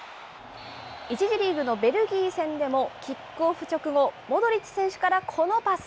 １次リーグのベルギー戦でも、キックオフ直後、モドリッチ選手からこのパス。